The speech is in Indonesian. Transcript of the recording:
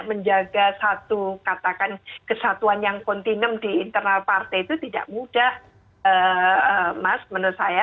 menjaga satu katakan kesatuan yang kontinem di internal partai itu tidak mudah mas menurut saya